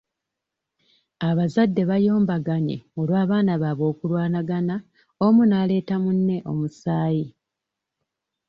Abazadde bayombaganye olw'abaana baabwe okulwanagana omu n'aleeta munne omusaayi.